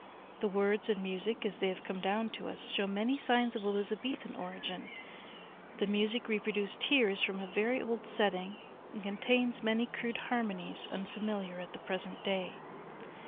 The words and music, as they have come down to us, show many signs of Elizabethan origin. The music reproduced here is from a very old setting and contains many crude harmonies unfamiliar at the present day.